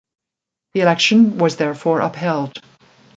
The election was therefore upheld.